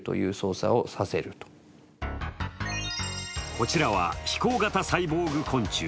こちらは飛行型サイボーグ昆虫。